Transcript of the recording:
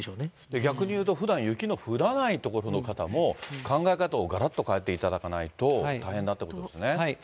逆にいうとふだん雪の降らない所の方も、考え方をがらっと変えていただかないと、大変だっていうことですね。